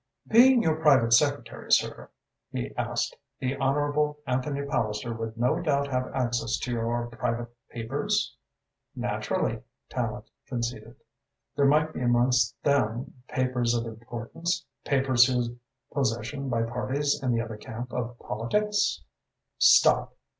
"Being your private secretary, sir," he said, "the Honourable Anthony Palliser would no doubt have access to your private papers?" "Naturally," Tallente conceded. "There might be amongst them papers of importance, papers whose possession by parties in the other camp of politics " "Stop!"